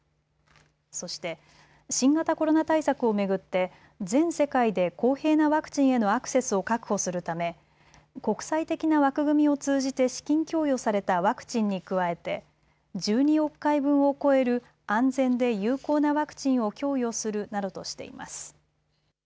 そして新型コロナ対策を巡って全世界で公平なワクチンへのアクセスを確保するため国際的な枠組みを通じて資金供与されたワクチンに加えて１２億回分を超える安全で有効なワクチンを供与するなどとしています。